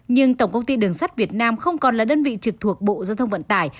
nhưng tổng công ty đường sắt việt nam không còn là đơn vị trực thuộc bộ giao thông vận tải